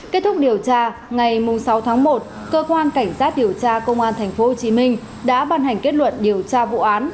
kết thúc điều tra ngày sáu tháng một cơ quan cảnh sát điều tra công an tp hcm đã ban hành kết luận điều tra vụ án